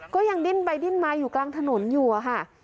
ก็ยังดิ้นไปดิ้นมาอยู่กลางถนนอยู่อะค่ะ